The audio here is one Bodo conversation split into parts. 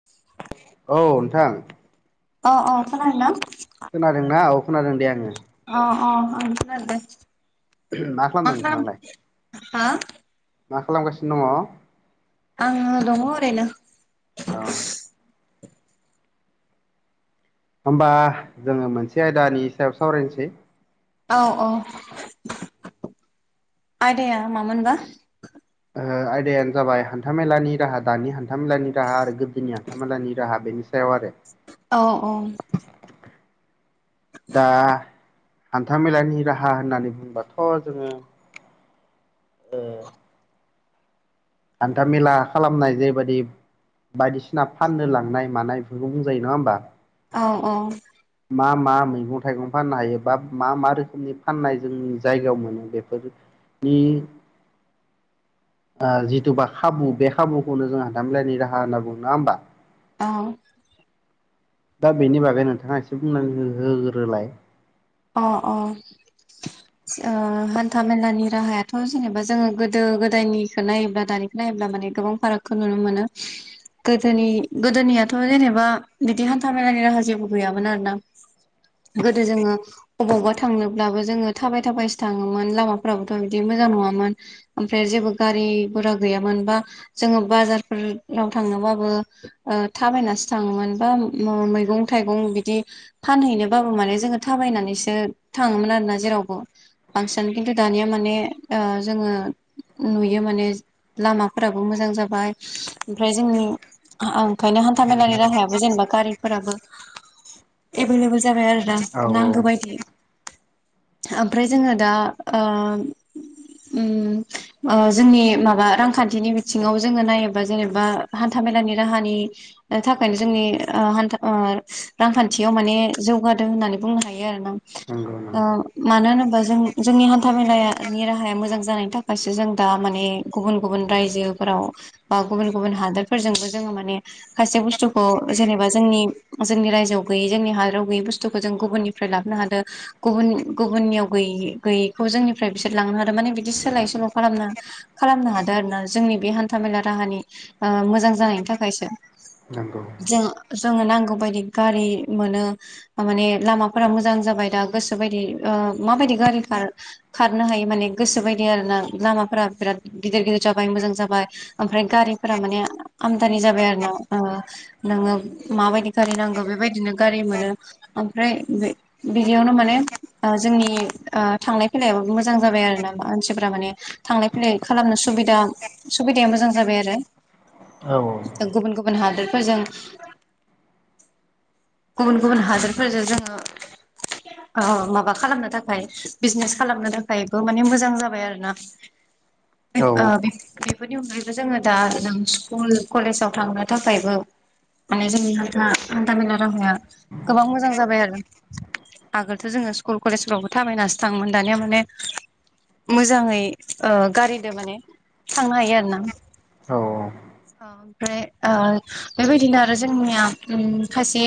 [inaudible] औ नोंथां अ अ खनाार न खोनादों ना औ खोनादों दे आङो अ अ मा खालामदों नोंथाङालाय [unintelligible] हो मा खालामगासिनो दङ आङो दङ ओरैनो औ होमबा जोङो मोनसे आयदानि सायाव सावरायनोसै औ औ आयदाया मामोनबा ओ आयदायानो जाबाय हान्थामेलानि राहा दानि हान्थामेलानि राहा आरो गोदोनि हान्था मेलानि राहा बेनि सायाव आरो औ औ दा हान्था मेलानि राहा होननानै बुंबाथ' जोङो ओ हान्थामेला खालामनाय जेबायदि बायदिसिना फाननो लांनाय मानाय बेफोरखौ बुंजायो नङा होमबा औ औ मा मा मैगं थाइगं फाननो हायो बा मा मा रोखोमनि फाननाय जोंनि जायगायाव मोनो बेफोर नि ओ जिथुबा खाबु बे खाबुखौनो जों हान्थामेलानि राहा होनना बुङो नङा होमबा औ दा बेनि बागै नोंथाङा एसे बुंना होग्रोलाय अ अ ओ हान्था मेलानि राहायाथ' जेनेबा जोङो गोदो गोदायनिखौ नायोब्ला दानि नायोब्ला माने गोबां फारागखौ नुनो मोनो गोदोनि गोदोनियाथ' जेनेबा बिदि हान्था मेलानि राहा जेबो गैयामोन आरो ना गोदो जोङो अबावबा थांनोब्लाबो जोङो थाबाय थाबायसो थाङोमोन लामाफ्राबोथ' बिदि मोजां नङामोन ओमफ्राय जेबो गारि गुरा गैयामोन बा जोङो बाजारफोराव थांनोबाबो ओ थाबायनासो थाङोमोन बा मैगं थाइगं बिदि फानहैनोबाबो माने जोङो थाबायनानैसो थाङोमोन आरोना जेरावबो बांसिन खिन्थु दानिया माने ओ जोङो नुयो माने लामाफोराबो मोजां जाबाय ओमफ्राय जोंनि ओंखायनो हान्था मेलानि राहायाबो जेनेबा गारिफोराबो एभेलेबेल जाबाय आरो दा औ नांगौ बायदि ओमफ्राय जोङो दा ओ ओम ओ जोंनि माबा रांखान्थिनि बिथिङाव जोङो नायोबा जेनेबा हान्था मेलानि राहानि थाखायनो जोंनि ओ हान्था ओ रांखान्थियाव माने जौगादों होननानै बुंनो हायो आरो ना नंगौ ओ मानो होनोबा जों जोंनि हान्था मेलानि राहाया मोजां जानायनि थाखायसो जों दा माने गुबुन गुबुन रायजोफोराव बा गुबुन गुबुन हादोरफोरजोंबो जोङो माने खायसे बुस्थुखौ जेनेबा जोंनि जोंनि रायजोआव गैयै जोंनि हादराव गैयै बुस्थुखौ जों गुबुननिफ्राय लाबोनो हादों गुबुन गुबुननियाव गै-गैयिखौ जोंनिफ्राय बिसोर लांनो हादों माने बिदि सोलाय सोल' खालामनो खालामनो हादों आरोना जोंनि बे हान्था मेला राहानि मोजां जानायनि थाखायसो नंगौ जों जोंनो नांगौ बायदि गारि मोनो माने लामाफोरा मोजां जाब जाबाय दा गोसोबायदि ओ माबायदि गारिफोरा खारनो हायो माने गोसो बायदि आरोना लामाफोरा बिराद गिदिर गिदिर जाबाय मोजां जाबाय ओमफ्राय गारिफोरा माने आमदानि जाबाय आरोना ओ नोङो माबायदि गारि नांगौ बेबायदिनो गारि मोनो ओमफ्राय बे बिदियावनो माने ओ जोंनि ओ थांलाय फैलायो मोजां जाबाय आरोना मानसिफ्रा माने थांलाय फैलाय खालामनो सुबिदा सुबिदाया मोजां जाबाय आरो औ गुबुन गुबुन हादोरफोरजों गुबुन गुबुन हादोरफोरजों जोङो ओ माबा खालामनो थाखाय बिजनेस खालामनो थाखायबो माने मोजां जाबाय आरो ना औ ओ बेफोरनि अनगायैबो जोङो दा जों स्कुल कलेजाव थांनो थाखायबो माने जोंनि हान्था हान्थामेला राहाया गोबां मोजां जाबाय आरो आगोलथ' जोङो स्कुल कलेजफ्रावबो थाबायनासो थाङोमोन दानिया माने मोजाङै ओ गारिदो माने थांनो हायो आरोना औ औ ओमफ्राय ओ बेबायदिनो आरो जोंनिया उम खायसे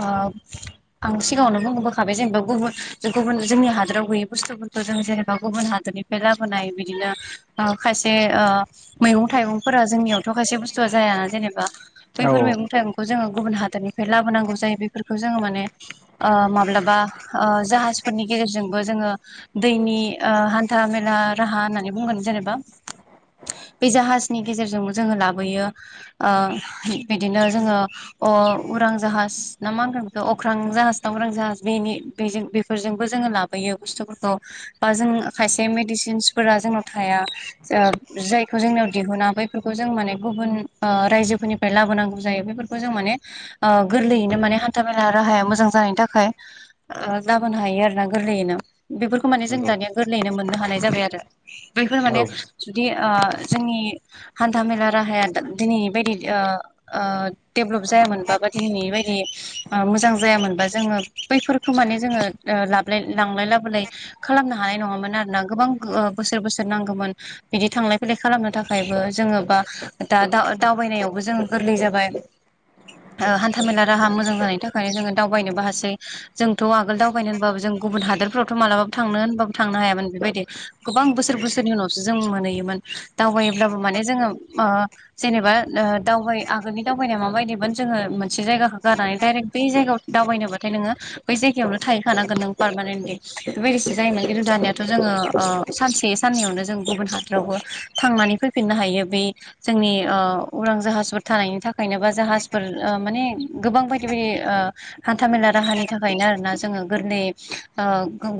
ओ आं सिगाङावनो बुं बोखाबाय जेनेबा गुबुन गुबुन जोंनि हादराव गैयै बुस्थुफोरखौ जों जेनेबा गुबुन हादोरनि फाय लाबोनाय बिदिनो ओ खायसे ओ मैगं थाइगंफोरा जोंनियावथ' खायसे बुस्थुआ जायाना जेनेबा बैफोर नंगौ मैगं थाइगंखौ जोङो गुबुन हादोरनिफ्राय लाबोनांगौ जायो बेफोरखौ जोङो माने ओ मा माब्लाबा ओ जाहाजफोरनि गेजेरजोंबो जोङो दैनि ओ हान्था मेला राहा होननानै बुंगोन जेनेबा बे जाहाजनि गेजेरजोंबो जोङो लाबोयो ओ बिदिनो जोङो अ उरां जाहाज ना मा होनगोन बेखो अख्रां जाहाज ना उरां जाहाज बेनि बेजों बेफोरजोंबो जोङो लाबोयो बुस्थुफोरखौ बा जों खायसे मेडिसिनसफोरा जोंनाव थाया जा जायखौ जोंनियाव दिहुना बैफोरखौ जों माने गुबुन ओ रायजोफोरनि फ्राय लाबोनांगौ जायो बेफोरखौ जों माने गोरलैयैनो माने हान्था मेला राहाया मोजां जानायनि थाखाय ओ लाबोनो हायो आरोना गोरलैयैनो बेफोरखौ माने जों दानिया औ गोरलैयैनो मोननो हानाय जाबाय आरो बैफोर माने जुदि ओ जोंनि हान्था मेला राहाया दा दिनै बायदि ओ ओ देभलप जायामोनबा बा दिनैनि बायदि मोजां जायामोनबा जोङो बैफोरखौ माने जोङो ओ लाबलाय लांलाय लाबोलाय खालामनो हानाय नङामोन आरोना गोबां गोओ बोसोर बोसोर नांगौमोन बिदि थांलाय फैलाय खालामनो थाखायबो जोङो बा दा-दावबायनायावबो जों गोरलै जाबाय ओ हान्थामेला राहा मोजां जानायनि थाखायनो जोङो दावबायनोबो हासै जोंथ' आगोल दावबायनो होनबाबो जों गुबुन हादोरफ्रावथ' मालाबाबो थांनो होनबाबो थांनो हायामोन बेबायदि गोबां बोसोर बोसोरनि उनावसो जों मोनहैयोमोन दावबायोब्लाबो माने जोङो ओ जेनेबा ओ दावबाय आगोलनि दावबायनाया माबायदिमोन जोङो मोनसे जायगाखौ गारनानै डाइरेक्ट बै जायगायाव दावबायनोबाथाय नोङो बै जायगायावनो थाहैखानांगोन नों पारमानेन्टलि बेबायदिसो जायोना खिन्थु दानियाथ' जोङो ओ सानसे साननैयावनो जों गुबुन हादरावबो थांनानै फैफिननो हायो बै जोंनि ओ उरां जाहाजफोर थानायनि थाखायनो बा जाहाजफोर ओ माने गोबां बाय [unintelligible] हान्थामेला राहानि थाखायनो आरोना जोङो गोरलै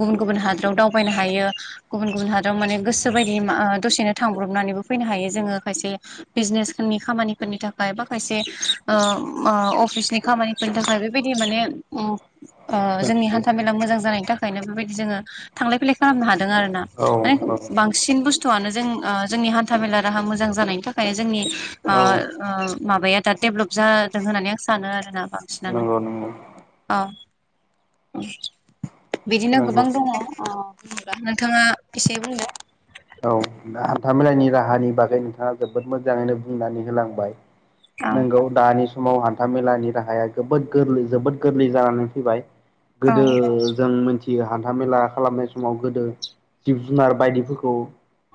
गुबुन गुबुन हादराव दावबायनो हायो। गुबुन गुबुन हादराव माने गोसो बायदि ओ दसेनो थांब्रबनानैबो फैनो हायो जोङो खायसे बिजनेसफोरनि खामानिफोरनि थाखाय बा खायसे ओ अफिसनि खामानि बेनि थाखाय बेबायदि माने ओ जोंनि हान्था मेला मोजां जानायनि थाखाय खायनो बेबायदि जोङो थांलाय फैलाय खालामनो हादों आरो ना। औ माने औ बांसिन बांसिन बुस्थुआनो जोंनि हान्था मेला राहा मोजां जानायनि थाखाय जोंनि आ औ माबाया आदा डेभलप जादों होननानै आं सानो आरोना बांसिनानो नंगौ नंगौ अ उम बिदिनो नंगौ गोबां दङ ओ होमबा नोंथाङा एसे बुंदो दा हान्था मेलानि राहानि बागै नोंथाङा जोबोद मोजाङैनो बुंनानै होलांबाय औ नोंगौ दानि समाव हान था मेलानि राहाया गोबोद गोरलै जोबोद गोरलै जानानै फैबाय औ गोदो जों मोन हान्था मेला खालामनाय समाव गोदो जिब जुनार बायदिफोरखौ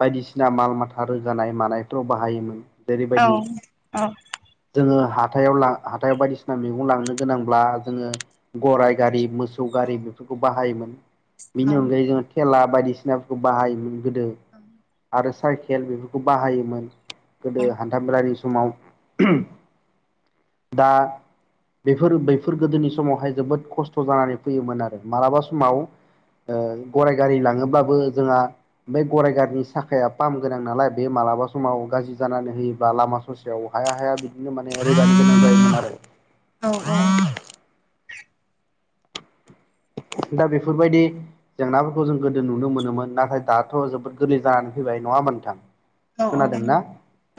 बायदिसिना माल माथा रोगानाय मानायफ्राव बाहायोमोन औ जेरैबायदि औ जोङो हाथायाव बायदिसिना मैगं लांनो गोनांब्ला जोङो। गराइ गारि मोस सौ गारि बेफोरखौ बाहायोमोन बिनि औ अनगायै जोङो थेला बायदिसिनाफोरखौ बाहायोमोन गोदो। ओं। आरो साइकेल बेफोरखौ बाहायोमोन गोदो हान्थाम मेलानि समाव दा बेफोर बैफोर गोदोनि समावहाय जोबोद खस्थ' जानानै फैयोमोन आरो मालाबा समाव गराइ गारि लाङोब्लाबो जोंहा बे गराइ गारिनि साखाया पाम गोनां नालाय बे मालाबा समाव गाज्रि जानानै होयोब्ला लामा ससेयाव हाया हाया बिदि बिनो माने ओरै [unintelligible] [unintelligible] औ औ। दा बेफोरबायदि जेंनाफोरखौ जों गोदो नुनो मोनोमोन नाथाय दाथ' जोबोद गोरलै जानानै फैबाय नङा होमबा नोथां? औ औ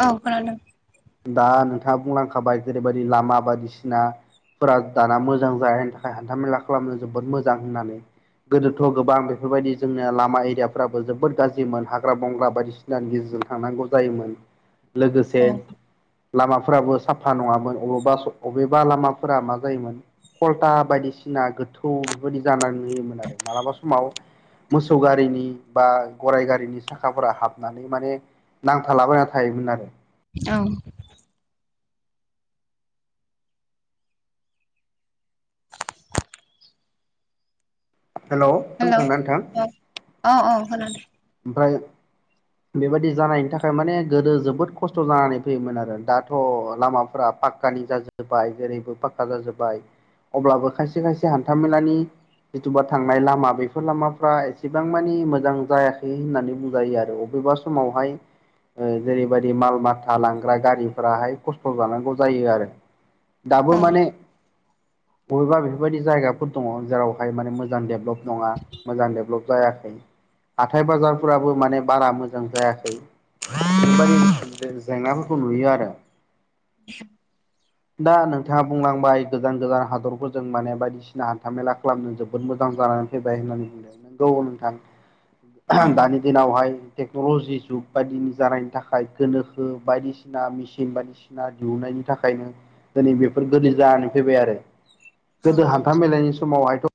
औ खोनादों। दा नोंथाङा बुंलांखाबाय जेरैबायदि लामा बायदिसिना लामाफोरा दाना मोजां जानायनि थाखाय हान्थामेला खालामनो जोबोद मोज मोजां होननानै गोदोथ' गोबां बेफोरबायदि जोंनिया लामा एरियाफ्राबो जोबोद गाज्रिमोन हाग्रा बंग्रा बायदिसिनानि गेजेरजों थांनांगौ जायोमोन। लोगोसे औ लामाफोराबो साफा नङामोन अबेबा लामाफोरा मा जायोमोन फलथा बायदिसिना गोथौ बेफोरबायदि जानानै होयोमोन आरो मालाबा समाव मोसौ गारिनि बा गराइ गारिनि साखाफोरा हाबनानै माने नांथालाबायना थायोमोन आरो। औ। हेल' खादोंना नोंथां? अ' अ खोनादों। ओमफ्राय बेबायदि जानायनि थाखाय माने गोदो जोबोद खस्थ' जानानै फैयोमोन आरो दाथ' लामाफोरा पाख्कानि जाजोब जोब्बाय जेरैबो पाक्का जाजोब्बाय अब्लाबो खायसे खायसे हान्थामेलानि जिथुबा थांनाय लामा बेफोर लामाफ्रा एसेबां मानि मोजां जायाखै होननानै बुंजायो आरो अब बबेबा समावहाय जेरैबायादि माल माथा लांग्रा गारिफ्राहाय खस्थ' जानांगौ जायो आरो। दाबो औ माने बबेबा बेफोरबायदि जायगाफोर दङ' जेरावहाय माने मोजां डेभलप नङा मोजां डेभेलप जायाखै हाथाय बाजारफोराबो माने बारा मोजां मोजां जायाखै बेफोरबादि जें-जेंनाफोरखौ नुयो आरो। दा नोंथाङा बुंलांबाय गोजान गोजान हादरफोरजों माने बायदिसिना सिना हान्थामेला खालामनो जोबोद मोजां जानानै फैबाय होननानै बुंदों नोंगौ औ नोंथां। दानि दिनावहाय टेक्न'ल'जि जुग बायदिनि जानायनि थाखाय गोनोखो बायदिसिना मेसिन बायदिसिना सिना दिहुननायनि थाखायनो दिनै बेफोर गोरलै जानानै फैबाय आरो। औ गोदो हान्था मेलानि समावहायथ'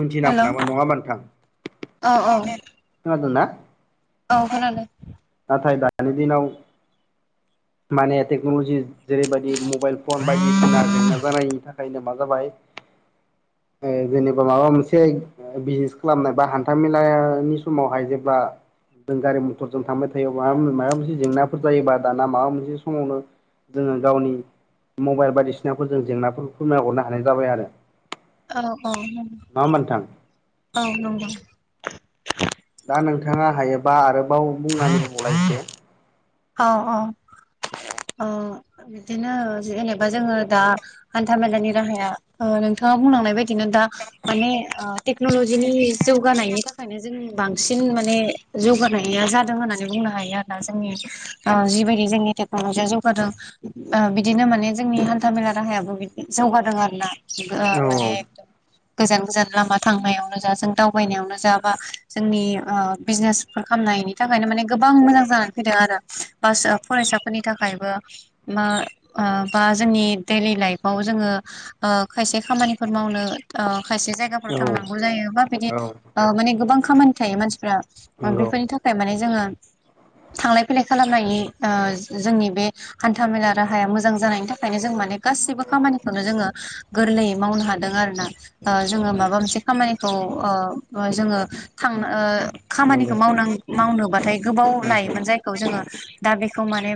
मिथिनागौ हेलौ नङा होनबा नोंथां औ खोनादोंना? औ खोनादों। नाथाय दानि दिनाव माने टेक्न'लजि जेरैबायदि मबाइल फन बायदिसिना जेंना जानायनि थाखायनो मा जाबाय ओ जेनेबा माबा मोनसे बिजनेस खालामनोबा हान्था मेलानि समावहाय जेब्ला जों गारि मथरजों थांबाय [unintelligible] माबा मोनसे जेंनाफोर जायोबा दाना माबा मोनसे समावनो जोङो गावनि मबाइल बायदिसिनाफोर जों जेंनाफोरखौ नायहरनो हानाय जाबाय आरो। औ औ गौ नङा होमबा नोंथां औ नंगौ। दा नोंथाङा हायोबा आरोबाव बुंनाहोबावलाय एसे। औ औ औ बिदिनो जेनेबा जोङो दा हान्था मेलानि राहाया ओ नोंथाङा बुंलांनाय बायदिनो दा माने ओ टेक्नलजिनि जौगानायनि थाखायनो जों बांसिन माने जौगानाया जादों होननानै बुंनो हायो आरोना जोंनि ओ जिबायदि जोंनि टेक्न'लजिया जौगादों ओ बिदिनो माने जोंनि हान्था मेला राहायाबो जौगादों आरोना गो औ माने गोजान गोजान लामा थांनायावनो जा जों दावबायनायावनो जा बा जोंनि ओ बिजनेस फोर खालामनायनि थाखायनो माने गोबां मोजां जानानै फैदों आरो बास फरायसाफोरनि थाखायबो मा बा जोंनि दैलि लाइफआव जोङो ओ खायसे खामानिफोर मावनो खायसे जाय औ थांनांगौ जायो बा बिदि औ माने गोबां खामानि थायो मानसिफ नंगौ बेफोरनि थाखाय माने जोङो थांलाय फैलाय खालामनायनि ओ जोंनि बे हान्था मेला राहाया मोजां जानायनि थाखायनो जों माने गासैबो खामानिखौनो जोङो गोरलैयै मावनो हादों आरोना ओ जोङो नंगौ माबा मोनसे खामानिखौ जोङो थांनो नंगौ खामानिखौ माव मावनोबाथाय गोबाव लायोमोन नंगौ जाय खौ जोङो दा बेखौ माने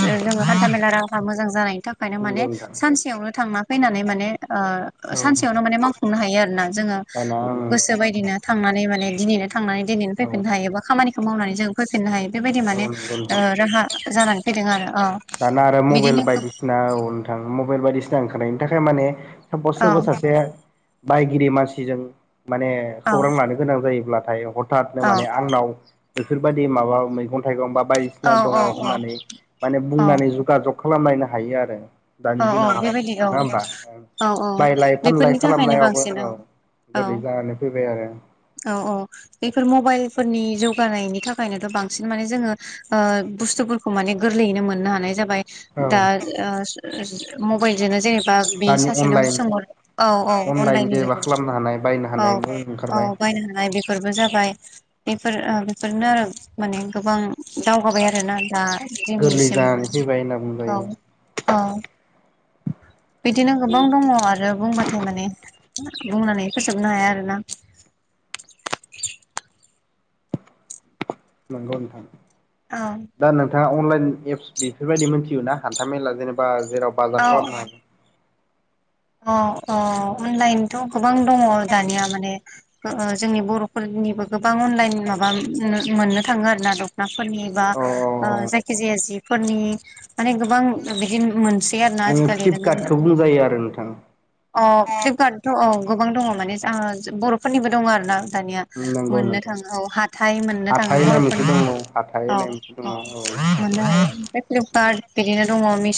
जोङो हान्थामेला राहा मोजां जानायनि थाखायनो माने नोंथां सानसेयावनो थांना फैनानै माने ओ औ सानसेयावनो माने मावफुंनो हायो आरो ना जोङो दाना गोसो बायदिनो थांनानै माने दिनैनो थांनानै दिनैनो औ फैफिननो हायो बा खामानिखौ मावनानै जों फैफिननो हायो। बेबायदि माने औ नंगौ ओ नोंथां राहा जानानै फैदों आरो ओ दाना आरो मबाइल बायदिसिना औ नोंथां मबाइल बायदिसिना ओंखारनि थाखाय माने सापस औ सोरबा सासे बायगिरि मानसिजों माने औ खौरां लानो गोनां जायोब्लाथाय हथादनो औ माने आंनाव बेफोरबायदि माबा मैगं थाइगं बा बाय औ बायदिसिना दङ औ होननानै माने औ बुंनानै जगाजग खालामलायनो हायो आरो औ दानि औ दिनाव बेबायदि औ नङा होमबा औ औ बायलाय फानलाय बेफोरनि थाखायनो खालामनायावबो बांसिन औ औ गोरलै जानानै फैबाय आरो औ औ बेफोर मबाइलफोरनि जौगानायनि थाखायनोथ' बांसिन माने जोङो बुस्थुफोरखौ माने गोरलैयैनो मोननो हानाय जाबाय औ दा मबाइल जोनो जेनेबा बे दानि सासेनाव अनलाइन सोंहरो औ औ अनलाइन अनलाइननि जेनेबा जुगाव खालामनो हानाय बायनो औ हानाय मुं औ ओंखारबाय बायनो हानाय बेफोरबो जाबाय बेफोर बेफोरनो आरो माने गोबां दावगाबाय आरोना दा गोरलै दिनैसिम जानानै फैबाय होनना औ बुंजायो औ बिदिनो गोबां दङ आरो बुंबाथाय माने बुंनानै फोजोबनो हाया आरोना नंगौ नोंथां औ दा नोंथाङा अनलाइन एप्स बेफोरबायदि मोनथियोना हान्था मेला जेनेबा जेराव बाजार खालामनो हागोन अ अ अनलाइनथ' गोबां दङ दानिया माने ओ ओ जोंनि बर'फोरनिबो गोबां अनलाइन माबा मोननो थाङो आरोना दं नाफोरनि बा औ ओ जायखि जाया जिफोरनि माने गोबां बिदि मोनस ओ फ्लिपकार्टखौ बुंजायो आरो नोंथां। अ फ्लिपकार्टथ' औ गोबां दङ माने ओ जहा बर'फोरनिबो दङ आरो ना। दानिया नंगौ मोननो नंगौ थाङो औ हाथाय मोननो थाङो हाथाय होननाय मोनसे बर'फोरनि दङ हाथाय औ होननाय मोनसे दङ औ मोननो हायो ओमफ्राय फ्लिपकार्ट बिदिनो दङ मिस'